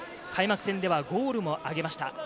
開幕戦ではゴールもあげました。